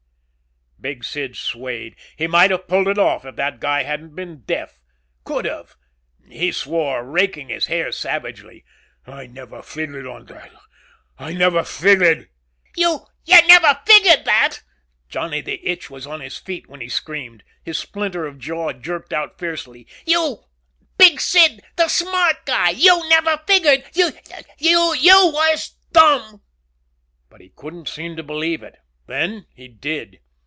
Big Sid swayed. He might have pulled it off if that guy hadn't been deaf. Could have. He swore, raking his hair savagely. "I never figured on that! I never figured " "You you never figured that?" Johnny the Itch was on his feet when he screamed. His splinter of jaw jerked out fiercely. "You Big Sid the smart guy! You never figured you you was dumb?" But he couldn't seem to believe it. Then he did.